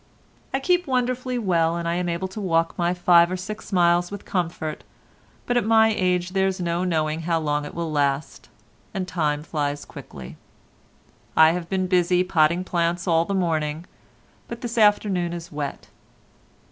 "I keep wonderfully well and am able to walk my five or six miles with comfort, but at my age there's no knowing how long it will last, and time flies quickly. I have been busy potting plants all the morning, but this afternoon is wet.